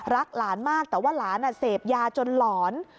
หลานมากแต่ว่าหลานเสพยาจนหลอน